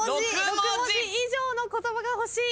６文字以上の言葉が欲しい。